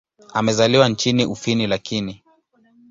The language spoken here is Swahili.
Amezaliwa nchini Ufini lakini.